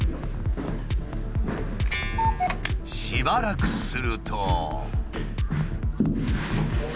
しばらくすると。